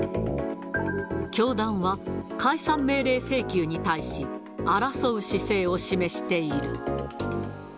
教団は、解散命令請求に対し、争う姿勢を示している。